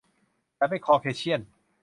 ฉันเป็นคอร์เคเชี่ยน